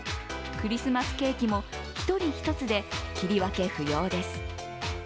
クリスマスケーキも１人１つで切り分け不要です。